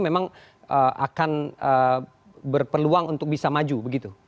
memang akan berpeluang untuk bisa maju begitu